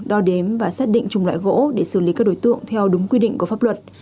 đo đếm và xác định chủng loại gỗ để xử lý các đối tượng theo đúng quy định của pháp luật